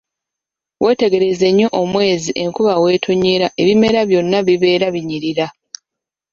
Weetegereze nnyo omwezi enkuba weetonnyera ebimera byonna bibeera binyirira.